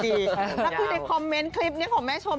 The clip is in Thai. แล้วคือในคอมเมนต์คลิปนี้ของแม่ชม